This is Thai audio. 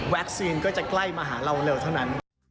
ก็จะใกล้มาหาเราเร็วเท่านั้น